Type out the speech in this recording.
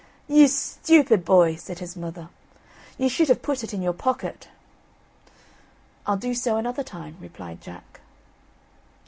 "You stupid boy," said his mother, "you should have put it in your pocket." "I'll do so another time," replied Jack.